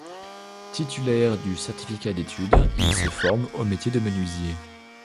Titulaire du certificat d'études, il se forme au métier de menuisier.